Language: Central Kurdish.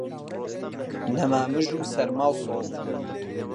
نەما مژ و سەرما و سۆڵ